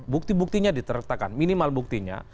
bukti buktinya ditertakan minimal buktinya